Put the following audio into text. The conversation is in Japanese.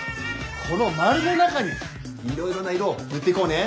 このまるの中にいろいろな色を塗っていこうね。